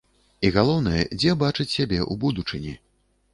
І галоўнае, дзе бачаць сябе ў будучыні?